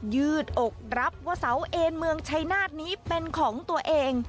ยืดอกรับว่าเสาเอนเมืองชัยนาฏนี้เป็นของตัวเอง